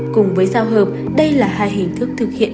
cùng với giao hợp đây là hai hình thức thực hiện